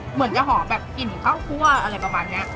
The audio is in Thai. เหมือนจะหอมแบบกลิ่นข้าวคั่วอะไรประมาณนี้